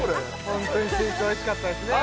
ホントにスイーツおいしかったですね